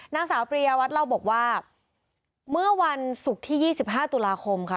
นางสาวปริยวัตรเล่าบอกว่าเมื่อวันศุกร์ที่๒๕ตุลาคมค่ะ